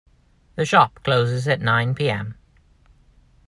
The shop closes at nine P-M.